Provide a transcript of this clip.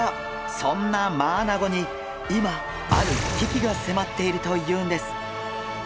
そんなマアナゴに今ある危機が迫っているというんです！